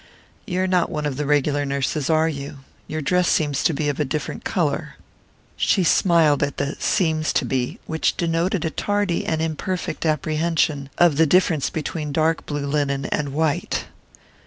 "You're not one of the regular nurses, are you? Your dress seems to be of a different colour." She smiled at the "seems to be," which denoted a tardy and imperfect apprehension of the difference between dark blue linen and white.